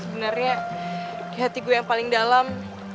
sebenarnya di hati gue yang paling dalam